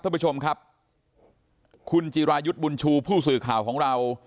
ท่านผู้ชมครับคุณจิรายุทธ์บุญชูผู้สื่อข่าวของเรา